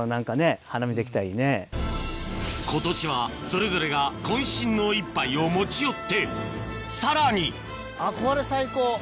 今年はそれぞれが渾身の一杯を持ち寄ってさらにこれ最高。